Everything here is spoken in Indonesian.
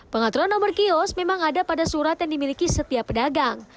pengaturan nomor kios memang ada pada surat yang dimiliki setiap pedagang